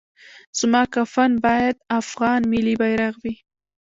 زما کفن باید افغان ملي بیرغ وي